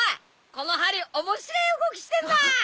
この針面白え動きしてんな。